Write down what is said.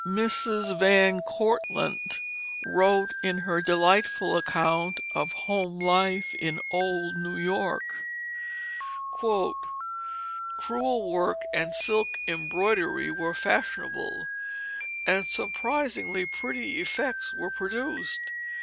Mrs. Van Cortlandt wrote in her delightful account of home life in old New York: "Crewel work and silk embroidery were fashionable, and surprisingly pretty effects were produced.